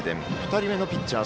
２人目のピッチャー